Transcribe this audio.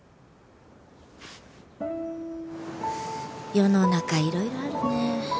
世の中いろいろあるね。